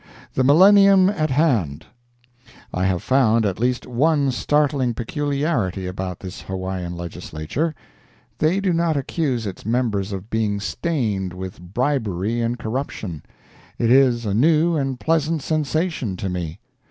THE MILLENNIUM AT HAND I have found at least one startling peculiarity about this Hawaiian Legislature. They do not accuse its members of being stained with bribery and corruption. It is a new and pleasant sensation to me.